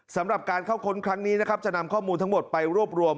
สำหรับการเข้าค้นครั้งนี้นะครับจะนำข้อมูลทั้งหมดไปรวบรวม